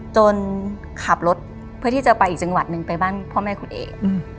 ขับรถเพื่อที่จะไปอีกจังหวัดหนึ่งไปบ้านพ่อแม่คุณเอก